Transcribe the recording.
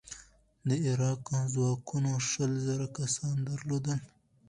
د ایران ځواکونو شل زره کسان درلودل.